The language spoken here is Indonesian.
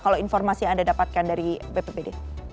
kalau informasi yang anda dapatkan dari bpbd